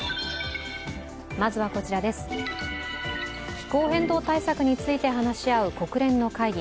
気候変動対策について話し合う国連の会議